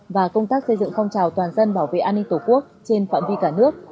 và công tác xây dựng phong trào toàn dân bảo vệ an ninh tổ quốc trên phạm vi cả nước